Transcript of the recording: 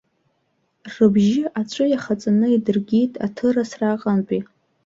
Рыбжьы аҵәы иахаҵаны идыргеит аҭырасра аҟынтәи.